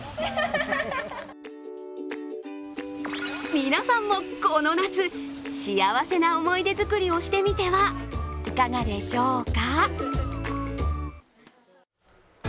皆さんもこの夏、幸せな思い出作りをしてみてはいかがでしょうか？